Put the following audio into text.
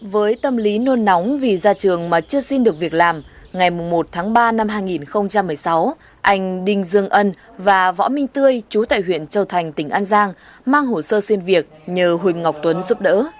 với tâm lý nôn nóng vì ra trường mà chưa xin được việc làm ngày một tháng ba năm hai nghìn một mươi sáu anh đinh dương ân và võ minh tươi chú tại huyện châu thành tỉnh an giang mang hồ sơ xin việc nhờ huỳnh ngọc tuấn giúp đỡ